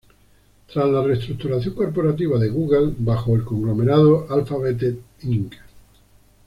Tras la reestructuración corporativa de Google bajo el conglomerado Alphabet Inc.